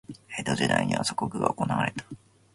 江戸時代には鎖国が行われた。